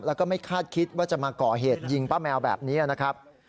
แล้วก็ไม่คาดคิดว่าจะมาก่อเหตุยิงป้าแมวแบบนี้นะครับ